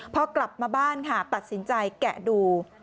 พอกลับมาบ้านค่ะตัดสินใจแกะดู